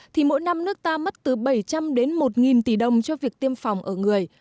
thì mỗi năm nước ta mất từ bảy trăm linh đến một tỷ đồng cho việc tiêm phòng ở người